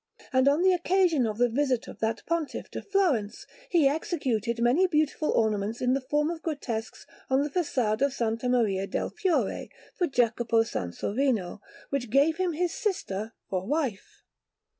And on the occasion of the visit of that Pontiff to Florence he executed many beautiful ornaments in the form of grotesques on the façade of S. Maria del Fiore, for Jacopo Sansovino, who gave him his sister for wife.